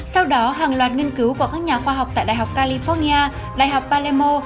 sau đó hàng loạt nghiên cứu của các nhà khoa học tại đại học california đại học pallemo